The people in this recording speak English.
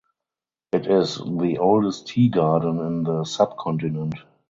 It is the oldest tea garden in the subcontinent.